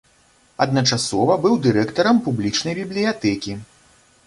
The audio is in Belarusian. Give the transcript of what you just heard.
Адначасова быў дырэктарам публічнай бібліятэкі.